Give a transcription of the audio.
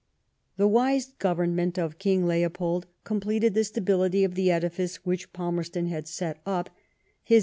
The wise government of King Leopold completed the stability of the edifice which Palmerston had set up, his.